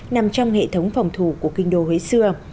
nằm trong hệ thống phòng thủ của kinh đô huế xưa